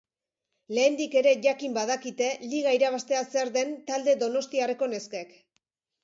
Lehendik ere jakin badakite liga irabaztea zer den talde donostiarreko neskek.